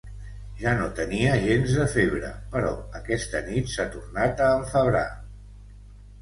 Ja no tenia gens de febre, però aquesta nit s'ha tornat a enfebrar.